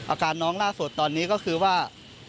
อาการน้องล่าสุดตอนนี้ก็คือว่า